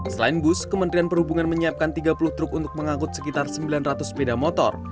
selain bus kementerian perhubungan menyiapkan tiga puluh truk untuk mengangkut sekitar sembilan ratus sepeda motor